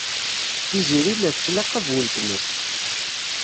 Tiziri la tettlaqab weltma-s.